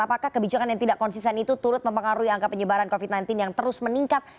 apakah kebijakan yang tidak konsisten itu turut mempengaruhi angka penyebaran covid sembilan belas yang terus meningkat